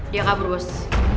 dia kabur bos